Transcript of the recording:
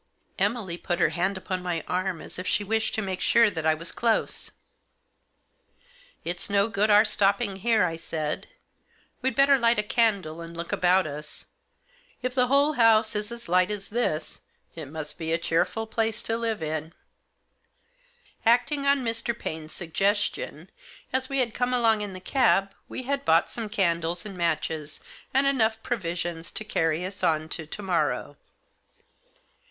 Emily put her hand upon my arm, as if she wished to make sure that I was close. "It's no good our stopping here," I said. "We'd better light a candle and look about us. If the whole house is as light as this it must be a cheerful place to live in." Acting on Mr. Paine's suggestion, as we had come along in the cab we had bought some candles and matches, and enough provisions to carry us on to to morrow.